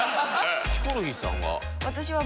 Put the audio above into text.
ヒコロヒーさんは？